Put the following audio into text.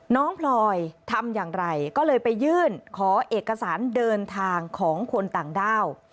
พลอยทำอย่างไรก็เลยไปยื่นขอเอกสารเดินทางของคนต่างด้าว